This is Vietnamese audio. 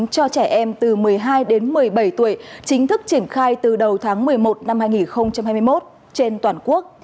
cho trẻ em từ một mươi hai đến một mươi bảy tuổi chính thức triển khai từ đầu tháng một mươi một năm hai nghìn hai mươi một trên toàn quốc